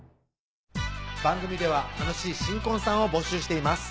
番組では楽しい新婚さんを募集しています